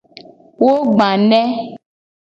Wo gba ne.